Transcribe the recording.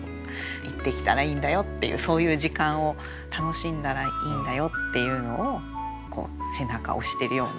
行ってきたらいいんだよっていうそういう時間を楽しんだらいいんだよっていうのを背中を押してるような。